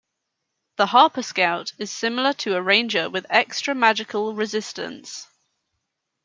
The Harper Scout is similar to a Ranger with extra magical resistance.